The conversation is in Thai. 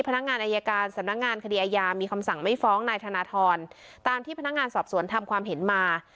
พนักงานอายการสำนักงานคดีอายามีคำสั่งไม่ฟ้องนายธนทรตามที่พนักงานสอบสวนทำความเห็นมา